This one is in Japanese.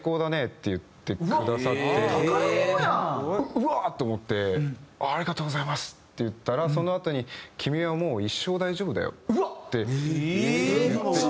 うわっ！と思って「ありがとうございます」って言ったらそのあとに「君はもう一生大丈夫だよ」って言ってくださって。